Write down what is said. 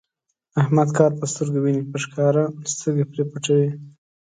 احمد کار په سترګو ویني، په ښکاره سترګې پرې پټوي.